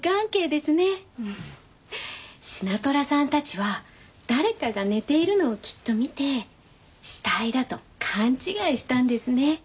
シナトラさんたちは誰かが寝ているのをきっと見て死体だと勘違いしたんですね。